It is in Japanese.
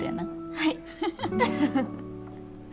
はい。